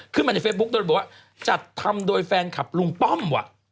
ในเฟซบุ๊คโดยบอกว่าจัดทำโดยแฟนคลับลุงป้อมว่ะ